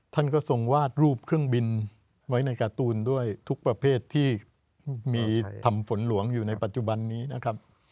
ท่านก็ทรงวาดรูปเครื่องบินไว้ในการ์ตูนด้วยทุกประเภทที่มีทำฝนหลวงอยู่ในปัจจุบันนี้นะครับ